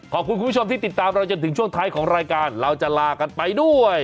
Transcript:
คุณผู้ชมที่ติดตามเราจนถึงช่วงท้ายของรายการเราจะลากันไปด้วย